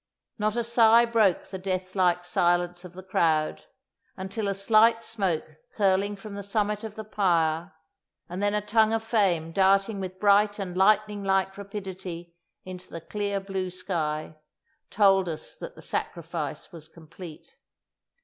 Not a sigh broke the death like silence of the crowd, until a slight smoke curling from the summit of the pyre, and then a tongue of flame darting with bright and lightning like rapidity into the clear blue sky, told us that the sacrifice was complete.